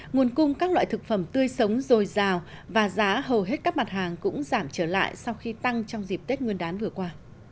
nguồn cung các loại thực phẩm tươi sống dồi dào và giá hầu hết các mặt hàng cũng giảm trở lại sau khi tăng trong dịp tết nguyên đán vừa qua